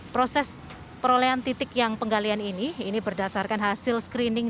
proses perolehan titik yang penggalian ini ini berdasarkan hasil screening